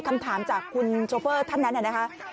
คำถามจากคุณโชเฟอร์ท่านนั้นนะคะ